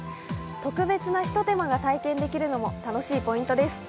特別な一手間が体験できるのも楽しいポイントです。